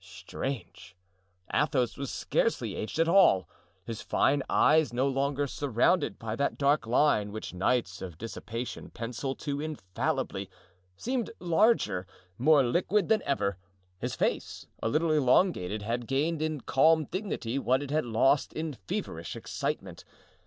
Strange! Athos was scarcely aged at all! His fine eyes, no longer surrounded by that dark line which nights of dissipation pencil too infallibly, seemed larger, more liquid than ever. His face, a little elongated, had gained in calm dignity what it had lost in feverish excitement.